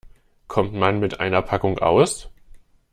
Kommt man mit einer Packung aus?